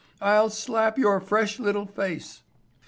—I'll slap your fresh little face."